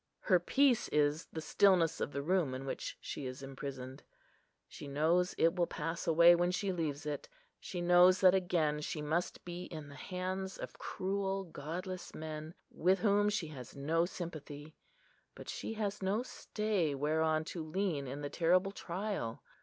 Her peace is the stillness of the room in which she is imprisoned. She knows it will pass away when she leaves it; she knows that again she must be in the hands of cruel, godless men, with whom she has no sympathy; but she has no stay whereon to lean in the terrible trial.